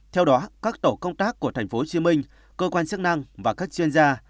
theo đó các tổ công tác của tp hcm cơ quan chức năng và các chuyên gia